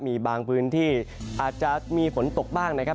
มีบางพื้นที่อาจจะมีฝนตกบ้างนะครับ